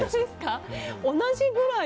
同じぐらい。